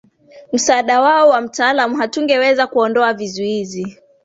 msaada wao wa mtaalam hatungeweza kuondoa vizuizi